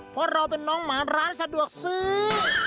เพราะเราเป็นน้องหมาร้านสะดวกซื้อ